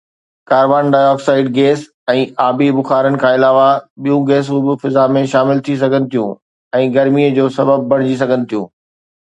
Carbon dioxide gas ۽ آبي بخارن کان علاوه ٻيون گيسون به فضا ۾ شامل ٿي سگهن ٿيون ۽ گرميءَ جو سبب بڻجي سگهن ٿيون.